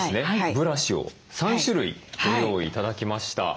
ブラシを３種類ご用意頂きました。